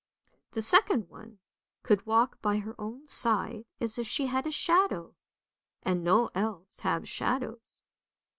The second one could walk by her own side as if she had a shadow, and no elves have shadows.